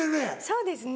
そうですね。